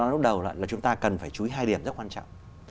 lúc đầu là chúng ta cần phải chú ý hai điểm rất quan trọng